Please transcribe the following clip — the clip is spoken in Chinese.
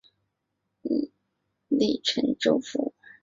隶辰州府。